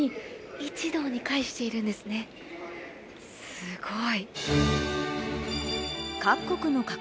すごい！